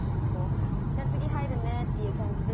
じゃあ次入るねっていう感じでどんどんと。